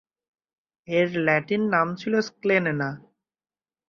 এর ল্যাটিন নাম ছিল "স্ক্লেনেনা"।